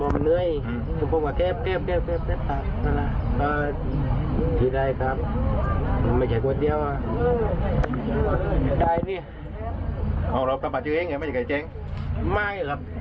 ตอนกี่โมงเหรอตอนนั้นโป๊ะปุ้มกันเย็นนี่เลยที่ว่าพ่อพ่อเนี่ยแคบมา